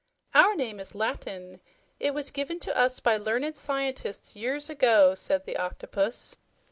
"Our name is Latin. It was given to us by learned scientists years ago," said the Octopus.